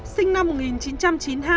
sinh năm một nghìn chín trăm chín mươi hai